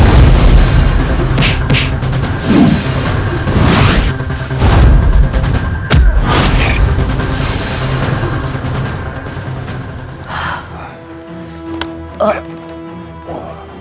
aku akan menangkapmu